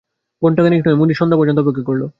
ঘন্টাখানিক নয়, মুনির সন্ধ্যা পর্যন্ত অপেক্ষা করল।